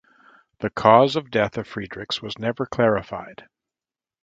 The cause of death of Friedrichs was never clarified.